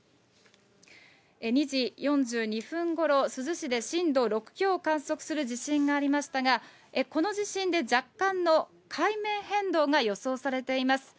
２時４２分ごろ、珠洲市で震度６強を観測する地震がありましたが、この地震で若干の海面変動が予想されています。